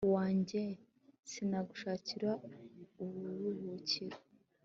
wanjye sinagushakira uburuhukiro